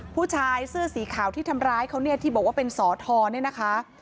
ผู้ชายเสื้อสีขาวที่ทำร้ายเขาเนี่ยที่บอกว่าเป็นสอทรเนี่ยนะคะ